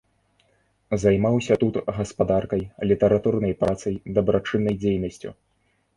Займаўся тут гаспадаркай, літаратурнай працай, дабрачыннай дзейнасцю.